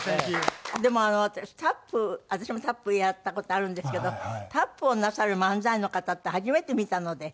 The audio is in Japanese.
でもあの私タップ私もタップやった事あるんですけどタップをなさる漫才の方って初めて見たので。